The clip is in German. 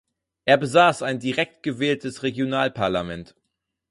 Er besaß ein direkt gewähltes Regionalparlament.